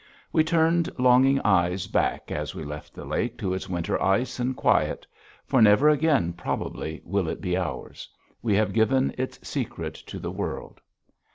We turned longing eyes back as we left the lake to its winter ice and quiet. For never again, probably, will it be ours. We have given its secret to the world.